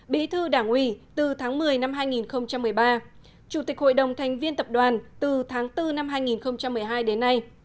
bí thư đảng ủy từ tháng một mươi năm hai nghìn một mươi ba chủ tịch hội đồng thành viên tập đoàn từ tháng bốn năm hai nghìn một mươi hai đến nay